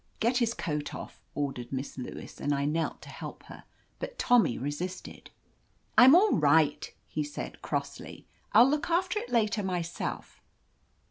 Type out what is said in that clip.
"Get his coat off," ordered Miss Lewis, and I knelt to help her. But Tommy resisted. "I'm all right," he said crossly. "I'll look after it later myself."